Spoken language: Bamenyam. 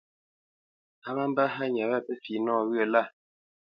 A má mbə́ hánya wâ pə́ fi nɔwyə̂ lâ.